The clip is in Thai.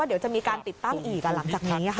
เดี๋ยวจะมีการติดตั้งอีกหลังจากนี้ค่ะ